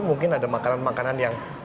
mungkin ada makanan makanan yang bentuknya kuda